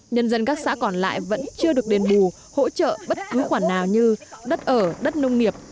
nhân dân các xã còn lại vẫn chưa được đền bù hỗ trợ bất cứ khoản nào như đất ở đất nông nghiệp